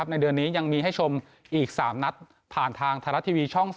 ในเดือนนี้ยังมีให้ชมอีก๓นัดผ่านทางไทยรัฐทีวีช่อง๓